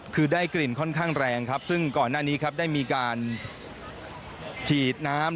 คือได้กลิ่นค่อนข้างแรงครับซึ่งก่อนหน้านี้ครับได้มีการฉีดน้ำ